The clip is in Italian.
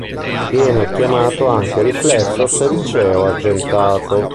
Viene chiamato anche riflesso sericeo-argentato.